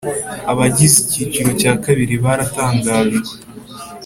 Abagize Ikiciro cya kabiri baratangajwe